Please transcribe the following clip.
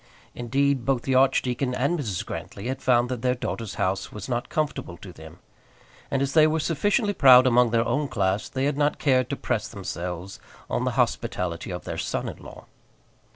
Indeed both the archdeacon and Mrs. Grantly had found that their daughter's house was not comfortable to them, and as they were sufficiently proud among their own class they had not cared to press themselves on the hospitality of their son in law.